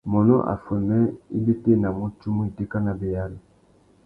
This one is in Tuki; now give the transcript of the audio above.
Mônô affuênê i bétēnamú tsumu itéka nabéyari.